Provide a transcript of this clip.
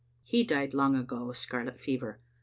He died long ago of scarlet fever.